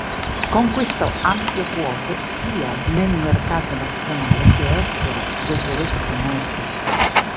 Conquistò ampie quote sia nel mercato nazionale che estero degli elettrodomestici.